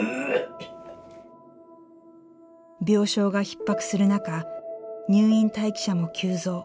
病床がひっ迫する中入院待機者も急増。